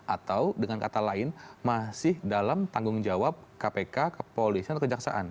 atau dengan kata lain masih dalam tanggung jawab kpk kepolisian atau kejaksaan